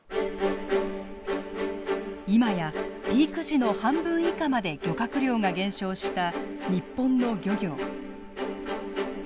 今やピーク時の半分以下まで漁獲量が減少した日本の漁業。